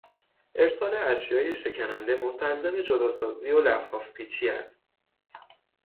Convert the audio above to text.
ارسال اشیای شکننده مستلزم جداسازی و لفافپیچی است.